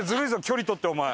距離取ってお前。